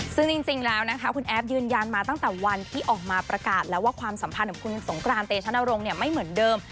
ซึ่งจริงแล้วนะคะคุณแอฟยืนยันมาตั้งแต่วันที่ออกมาประกาศแล้วว่าความสัมพันธ์ของคุณสงกรานเตชนรงค์ไม่เหมือนเดิม